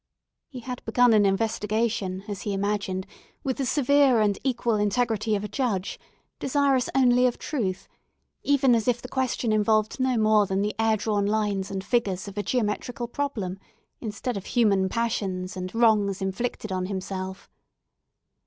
He had begun an investigation, as he imagined, with the severe and equal integrity of a judge, desirous only of truth, even as if the question involved no more than the air drawn lines and figures of a geometrical problem, instead of human passions, and wrongs inflicted on himself.